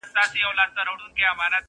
چي زه نارې کړم خلکو غلیم دی,